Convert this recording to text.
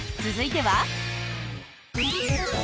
続いては。